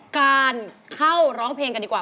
การเข้าร้องเพลงกันดีกว่า